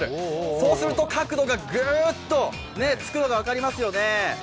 そうすると角度がグッとつくのが分かりますよね。